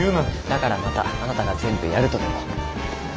だからまたあなたが全部やるとでも？